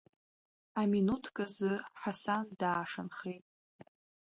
Аминуҭк азы Ҳасан даашанхеит.